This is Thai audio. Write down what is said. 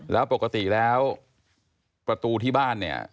แล้วปกติแล้วประตูที่บ้านเนี่ย